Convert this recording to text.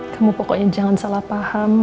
kamu pokoknya jangan salah paham